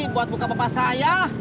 buat buka pepas saya